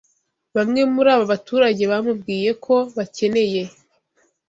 Bamwe muri aba baturage bamubwiye ko bakeneye